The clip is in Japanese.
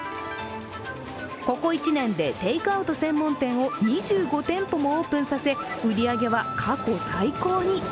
ここ１年でテイクアウト専門店を２５店舗もオープンさせ売上は過去最高に。